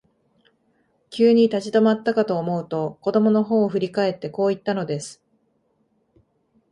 急に立ち止まったかと思うと、子供のほうを振り返って、こう言ったのです。